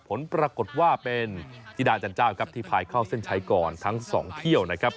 ผลปรากฏว่าเป็นธิดาจันเจ้าครับที่พายเข้าเส้นชัยก่อนทั้งสองเที่ยวนะครับ